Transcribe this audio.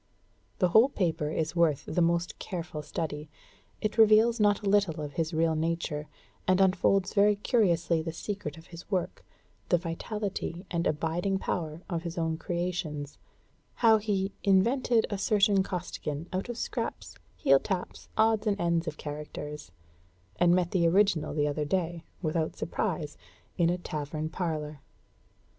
The whole paper is worth the most careful study; it reveals not a little of his real nature, and unfolds very curiously the secret of his work, the vitality and abiding power of his own creations; how he "invented a certain Costigan, out of scraps, heel taps, odds and ends of characters," and met the original the other day, without surprise, in a tavern parlor.